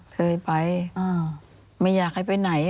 เคยไปไม่อยากให้ไปไหน